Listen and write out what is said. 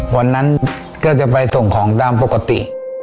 วันนั้นก็จะไปส่งของตามปกติ